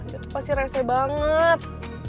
dia tuh pasti rese banget